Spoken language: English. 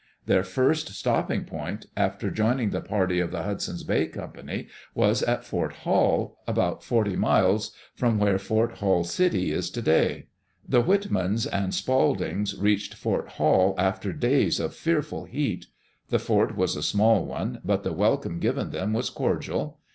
Their first stopping point, after joining the party of the Hudson's Bay Company, was at Fort Hall, about forty miles from where Fort Hall City is today. The Whitmans and Spaldings reached Fort Hall after days of fearful heat. The fort was a small one, but the welcome given them was cordial.